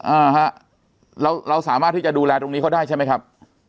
อ่าฮะเราเราสามารถที่จะดูแลตรงนี้เขาได้ใช่ไหมครับ